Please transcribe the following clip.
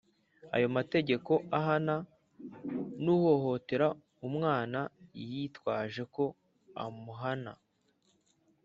ayo mategeko ahana n’uhohotera umwana yitwaje ko amuhana.